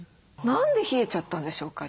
何で冷えちゃったんでしょうか？